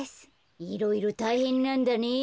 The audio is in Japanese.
いろいろたいへんなんだね。